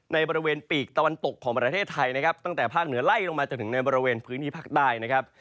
ในบริเวณปีกตะวันตกของประเทศไทยนะครับตั้งแต่ภาคเหนือไล่ลงมาจนถึงในบริเวณพื้นที่ภาคใต้นะครับ